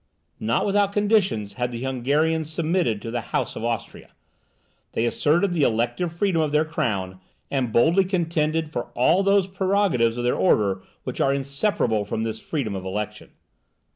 Not without conditions had the Hungarians submitted to the House of Austria. They asserted the elective freedom of their crown, and boldly contended for all those prerogatives of their order which are inseparable from this freedom of election.